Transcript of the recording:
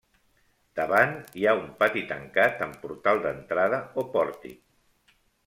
Davant hi ha un pati tancat amb portal d'entrada o pòrtic.